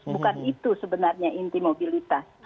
bukan itu sebenarnya inti mobilitas